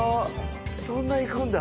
そんないくんだ